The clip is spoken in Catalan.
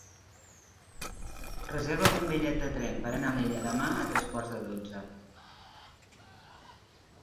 Reserva'm un bitllet de tren per anar a Alella demà a tres quarts de dotze.